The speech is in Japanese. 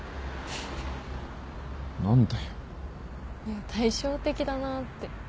いや対照的だなって。